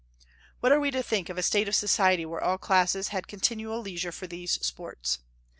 What are we to think of a state of society where all classes had continual leisure for these sports!